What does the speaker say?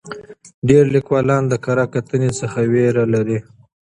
ډېر لیکوالان د کره کتنې څخه ویره لري.